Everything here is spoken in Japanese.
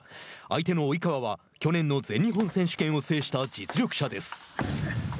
相手の及川は去年の全日本選手権を制した実力者です。